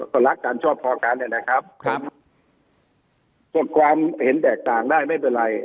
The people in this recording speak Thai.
ก็รักกันชอบพอกันเนี่ยนะครับกดความเห็นแตกต่างได้ไม่เป็นไร